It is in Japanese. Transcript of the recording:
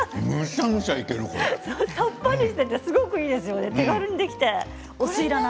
さっぱりしていていいですよね。